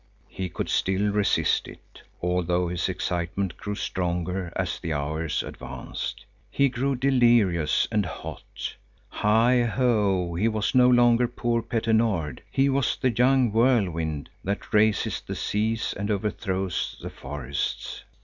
He could still resist it, although his excitement grew stronger as the hours advanced. He grew delirious and hot. Heigh ho, he was no longer poor Petter Nord! He was the young whirlwind, that raises the seas and overthrows the forests.